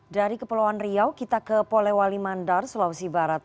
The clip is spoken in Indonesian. dari kepulauan riau kita ke polewali mandar sulawesi barat